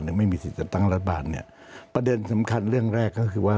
ไม่มีสิทธิ์จะตั้งรัฐบาลเนี่ยประเด็นสำคัญเรื่องแรกก็คือว่า